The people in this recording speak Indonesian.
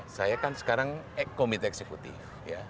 saya kan sekarang komite eksekutif ya